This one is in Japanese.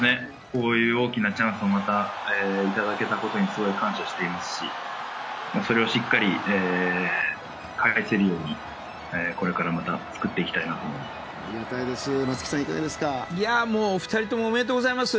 こういう大きなチャンスをまた頂けたことにすごい感謝していますしそれをしっかり返せるようにこれからまた作っていきたいなと思います。